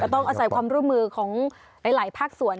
ต้องอาศัยความร่วมมือของหลายภาคส่วน